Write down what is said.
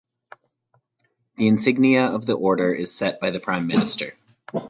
The insignia of the Order is set by the Prime Minister.